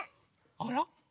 あら？